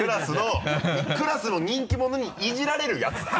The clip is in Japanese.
クラスの人気者にイジられるヤツだろ？